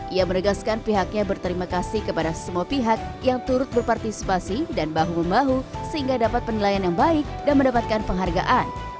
ia meregaskan pihaknya berterima kasih kepada semua pihak yang turut berpartisipasi dan bahu membahu sehingga dapat penilaian yang baik dan mendapatkan penghargaan